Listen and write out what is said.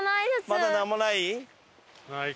まだなんもない？